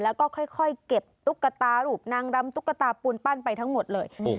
แล้วก็ค่อยเก็บตุ๊กตารูปนางรำตุ๊กตาปูนปั้นไปทั้งหมดเลย